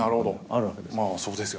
あるわけです。